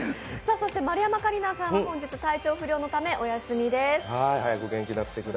そして丸山桂里奈さんは本日、体調不良のためお休みです。